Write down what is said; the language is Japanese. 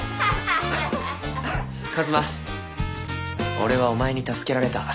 俺はお前に助けられた。